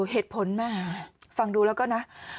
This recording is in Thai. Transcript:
เหตุผลแม่ฟังดูแล้วก็นะ